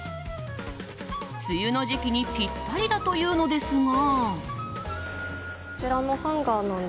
梅雨の時期にピッタリだというのですが。